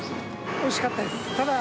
おいしかったです。